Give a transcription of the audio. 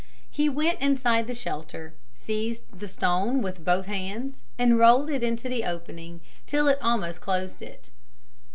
He went inside the shelter, seized the stone with both hands and rolled it into the opening till it almost closed it.